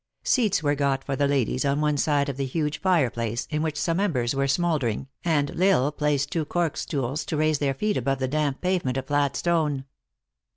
Seats were got for the ladies on one side of the huge fire place, in * which some embers were smouldering, and L Isle placed tw r o cork stools to raise their feet above the damp pavement of flat stone.